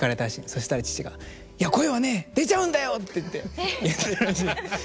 そしたら父が「いや声はね出ちゃうんだよ！」っていって言ったらしいんです。